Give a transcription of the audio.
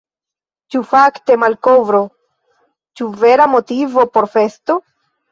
Ĉu fakte malkovro, ĉu vera motivo por festo?